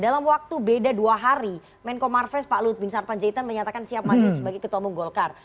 dalam waktu beda dua hari menko marves pak lut bin sarpanjaitan menyatakan siap maju sebagai ketua umum golkar